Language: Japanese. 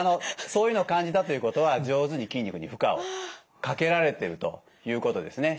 そういうのを感じたということは上手に筋肉に負荷をかけられてるということですね。